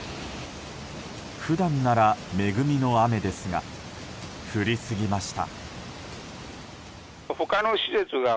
普段なら恵みの雨ですが降りすぎました。